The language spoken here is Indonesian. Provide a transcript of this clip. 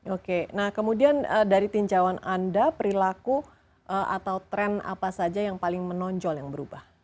oke nah kemudian dari tinjauan anda perilaku atau tren apa saja yang paling menonjol yang berubah